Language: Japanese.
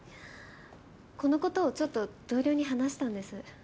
このことをちょっと同僚に話したんです。